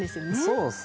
そうですね。